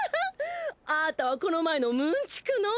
あたはこの前のムーン地区の！